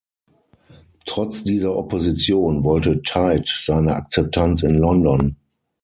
Trotz dieser Opposition, wollte Tait seine Akzeptanz in London.